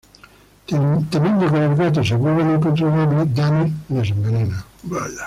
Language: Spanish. Temiendo que los gatos se vuelvan incontrolables Danner les envenena.